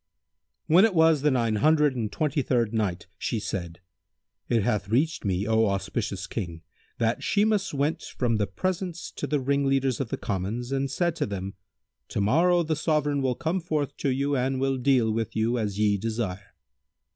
When it was the Nine Hundred and Twenty third Night, She said: It hath reached me, O auspicious King, that Shimas went from the presence to the ringleaders of the commons and said to them, "To morrow the Sovran will come forth to you and will deal with you as ye desire."